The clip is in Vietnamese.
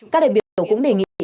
các đại biểu cũng đề nghị chính phủ